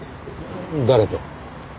誰と？